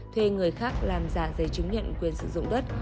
thuê người khác làm giả giấy chứng nhận quyền sử dụng đất